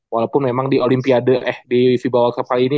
walaupun memang di olympiade eh di vbowl cup kali ini